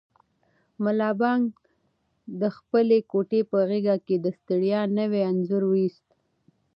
ملا بانګ د خپلې کوټې په غېږ کې د ستړیا نوی انځور وایست.